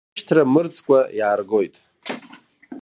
Ахьышьҭра мырӡкәа иааргоит.